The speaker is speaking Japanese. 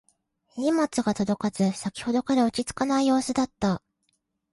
荷物が届かず先ほどから落ち着かない様子だった